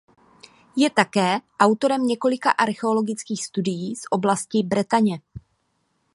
Je také autorem několika archeologických studií z oblasti Bretaně.